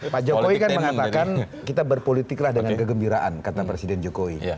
pak jokowi kan mengatakan kita berpolitiklah dengan kegembiraan kata presiden jokowi